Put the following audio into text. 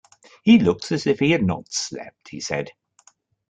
"He looks as if he had not slept," he said.